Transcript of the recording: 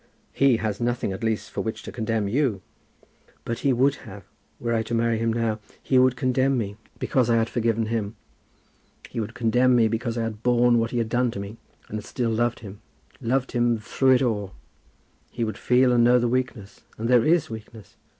"He has nothing, at least, for which to condemn you." "But he would have, were I to marry him now. He would condemn me because I had forgiven him. He would condemn me because I had borne what he had done to me, and had still loved him loved him through it all. He would feel and know the weakness; and there is weakness.